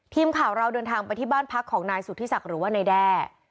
ทีมข่าวเราเดินทางไปที่บ้านพักของนายสุธิศักดิ์หรือว่านายแด้